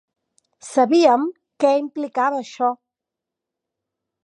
Sabíem què implicava això.